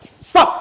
ini rumah sakit